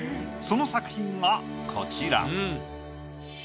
その作品がこちら。